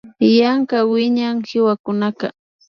Yanka wiñay kiwakunata